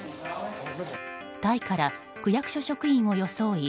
タイから区役所職員を装い